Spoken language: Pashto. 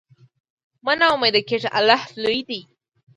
مه نا امیده کېږه، الله لوی دی.